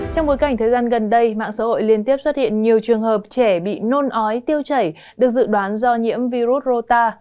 trong bối cảnh thời gian gần đây mạng xã hội liên tiếp xuất hiện nhiều trường hợp trẻ bị nôn ói tiêu chảy được dự đoán do nhiễm virus rota